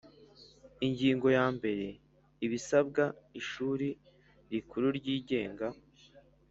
Ingingoyambere Ibisabwa ishuri rikuru ryigenga